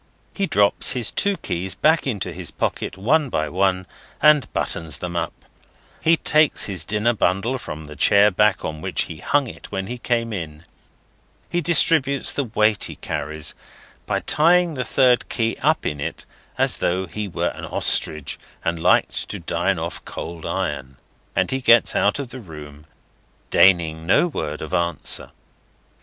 He drops his two keys back into his pocket one by one, and buttons them up; he takes his dinner bundle from the chair back on which he hung it when he came in; he distributes the weight he carries, by tying the third key up in it, as though he were an Ostrich, and liked to dine off cold iron; and he gets out of the room, deigning no word of answer.